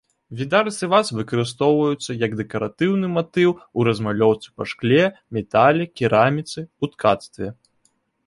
Відарысы ваз выкарыстоўваюцца як дэкаратыўны матыў у размалёўцы па шкле, метале, кераміцы, у ткацтве.